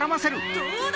どうだ！